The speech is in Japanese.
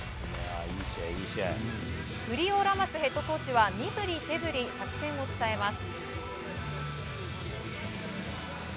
フリオ・ラマスヘッドコーチは身振り手振り、作戦を伝えます。